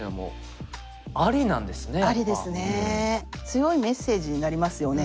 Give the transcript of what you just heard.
強いメッセージになりますよね。